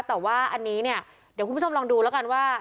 แต่ว่าอันนี้เนี่ยเดี๋ยวคุณผู้ชมลองดูแล้วกันว่า